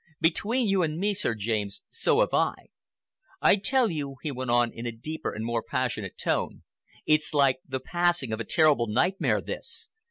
Between you and me, Sir James, so have I. I tell you," he went on, in a deeper and more passionate tone, "it's like the passing of a terrible nightmare—this.